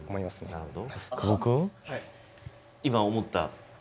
なるほど。